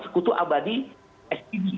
sekutu abadi spd